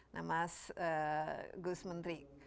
namas gus menteri